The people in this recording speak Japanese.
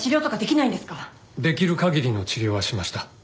できる限りの治療はしました。